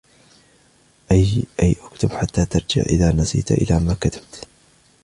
أَيْ اُكْتُبْ حَتَّى تَرْجِعَ إذَا نَسِيتَ إلَى مَا كَتَبْتَ